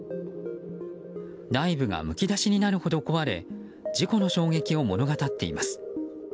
内部がむき出しになるほど壊れ事故の衝撃を物語っています。